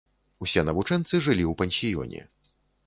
Усе навучэнцы жылі ў пансіёне.